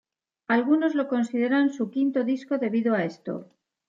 Algunos lo consideran su quinto disco debido a esto.